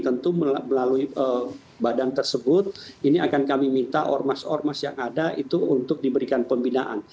tentu melalui badan tersebut ini akan kami minta ormas ormas yang ada itu untuk diberikan pembinaan